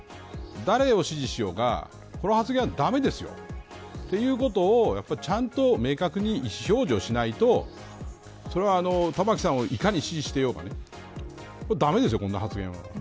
誰を支持しようがこの発言はだめですよ。ということをちゃんと明確に意思表示をしないとそれは玉城さんをいかに支持していようが駄目ですよ、こんな発言は。